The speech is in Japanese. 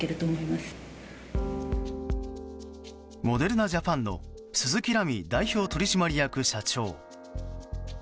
モデルナ・ジャパンの鈴木蘭美代表取締役社長。